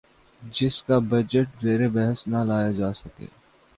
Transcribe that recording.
جس کا بجٹ زیربحث نہ لایا جا سکے